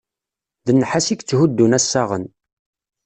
D nnḥas i yetthuddun assaɣen.